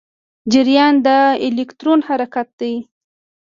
جریان د الکترون حرکت دی.